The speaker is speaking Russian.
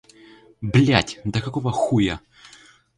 Блять, да какого хуя!